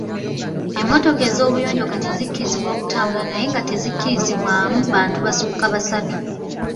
Emmotoka ez'obuyonjo kati zikkirizibwa okutambula naye nga tezikkirizibwamu bantu basukka basatu.